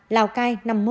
lào cai năm mươi một